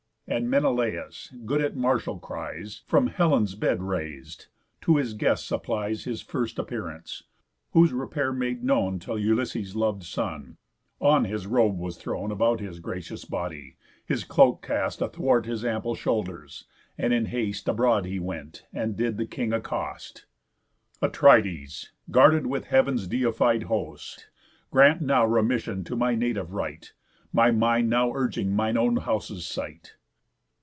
And Menelaus, good at martial cries, From Helen's bed rais'd, to his guest applies His first appearance. Whose repair made known T' Ulysses' lov'd son, on his robe was thrown About his gracious body, his cloak cast Athwart his ample shoulders, and in haste Abroad he went, and did the king accost: "Atrides, guarded with heav'n's deified host, Grant now remission to my native right, My mind now urging mine own house's sight."